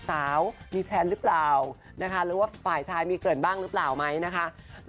ที่นี้ความรักเกิดเข้าสู่ปีที่๑๑แล้วนะคะ